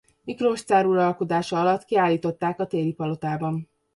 Miklós cár uralkodása alatt kiállították a Téli Palotában.